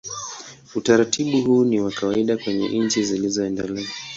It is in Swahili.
Utaratibu huu ni wa kawaida kwenye nchi zilizoendelea.